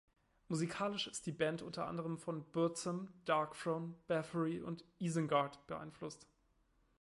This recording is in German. Musikalisch ist die Band unter anderem von Burzum, Darkthrone, Bathory und Isengard beeinflusst.